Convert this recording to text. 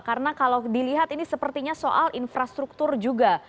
karena kalau dilihat ini sepertinya soal infrastruktur juga